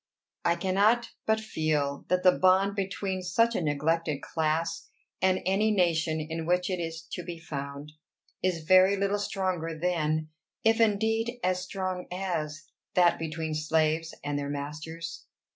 I cannot but feel that the bond between such a neglected class, and any nation in which it is to be found, is very little stronger than, if indeed as strong as, that between slaves and their masters.